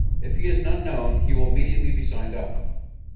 If he is an unknown, he will immediately be signed up.